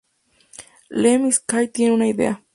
Lem y Skiff tienen una idea.